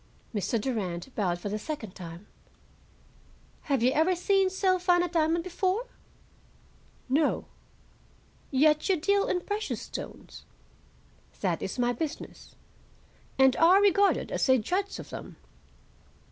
Mr. Durand bowed for the second time. "Had you ever seen so fine a diamond before?" "No." "Yet you deal in precious stones?" "That is my business." "And are regarded as a judge of them?"